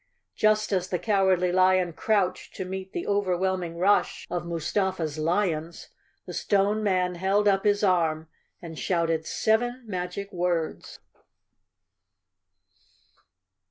Just as the Cowardly Lion crouched to meet the overwhelming rush of Mustafa's lions, the Stone Man held up his arm and shouted seven magic words!